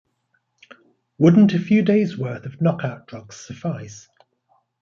Wouldn't a few days' worth of knockout drugs suffice?